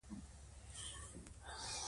خپل ذهن له بدو فکرونو پاک کړئ.